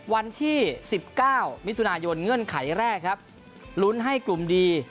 วันที่๑๙มิถุนายนเงื่อนไขแรกครับลุ้นให้กลุ่มดี